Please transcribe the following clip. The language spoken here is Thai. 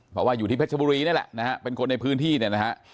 เพราะว่าอยู่ที่เพชรบุรีนี่แหละนะฮะเป็นคนในพื้นที่เนี่ยนะฮะ